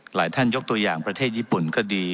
หลายท่านยกตัวอย่างประเทศญี่ปุ่นก็ดี